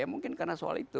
ya mungkin karena soal itu